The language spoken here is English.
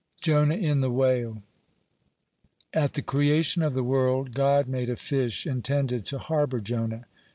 (30) JONAH IN THE WHALE At the creation of the world, God made a fish intended to harbor Jonah.